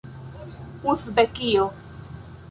uzbekio